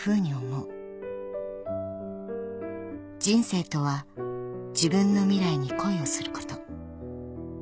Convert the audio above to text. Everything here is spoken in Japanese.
［人生とは自分の未来に恋をすること］